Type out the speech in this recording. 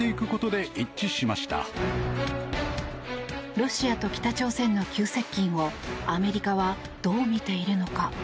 ロシアと北朝鮮の急接近をアメリカはどう見ているのか。